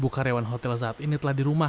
dua karyawan hotel saat ini telah diberikan